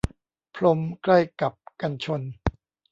พรมใกล้กับกันชน